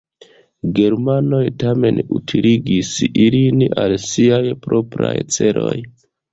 Germanoj tamen utiligis ilin al siaj propraj celoj.